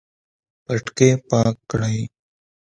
پټکی پاک کړئ